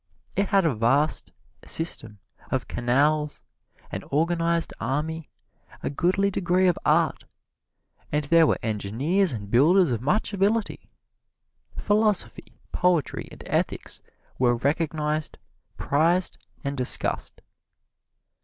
It had a vast system of canals, an organized army, a goodly degree of art, and there were engineers and builders of much ability. Philosophy, poetry and ethics were recognized, prized and discussed.